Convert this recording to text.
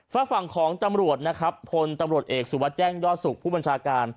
ฝากฝั่งของตำรวจนะครับพลตำรวจเอกสุวัสดิแจ้งยอดสุขผู้บัญชาการ